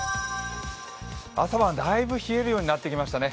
朝晩、大分冷えるようになってきましたね。